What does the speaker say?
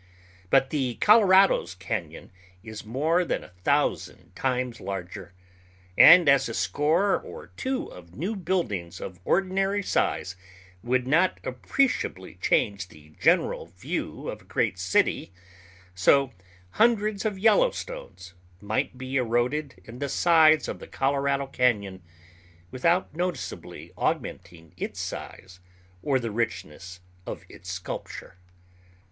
But the Colorado's cañon is more than a thousand times larger, and as a score or two of new buildings of ordinary size would not appreciably change the general view of a great city, so hundreds of Yellowstones might be eroded in the sides of the Colorado Cañon without noticeably augmenting its size or the richness of its sculpture.